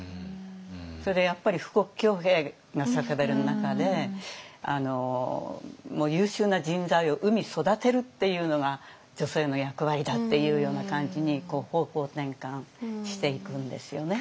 それでやっぱり富国強兵が叫ばれる中で優秀な人材を産み育てるっていうのが女性の役割だっていうような感じに方向転換していくんですよね。